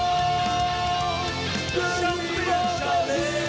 เดินไปดูครับไม่รู้ว่าเป็นการที่ว่าโบโหหรือว่าตำน้ายขมนามครับ